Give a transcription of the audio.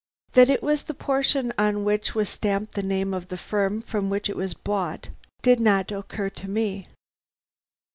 That it was the portion on which was stamped the name of the firm from which it was bought did not occur to me.